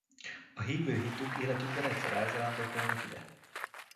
A hívő hinduk életükben egyszer elzarándokolnak ide.